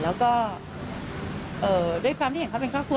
แล้วก็ด้วยความที่เห็นเขาเป็นครอบครัว